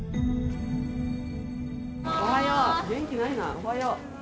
おはよう。